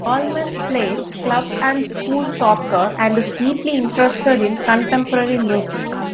Allman played club and school soccer and is deeply interested in contemporary music.